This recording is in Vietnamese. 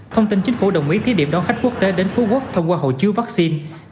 thông tin chính phủ đồng ý thí điệm đón khách quốc tế đến phú quốc thông qua hộ chiếu vaccine